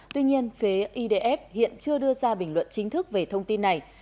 tuy nhiên phía idf hiện chưa đưa ra bình luận chính thức về thông tin này